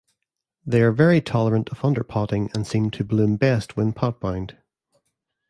They are very tolerant of underpotting and seem to bloom best when potbound.